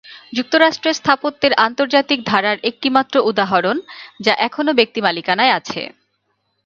যুক্তরাষ্ট্রে স্থাপত্যের আন্তর্জাতিক ধারার একটি মাত্র উদাহরণ যা এখনো ব্যক্তি মালিকানায় আছে।